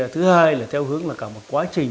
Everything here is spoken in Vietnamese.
thứ hai là theo hướng là cả một quá trình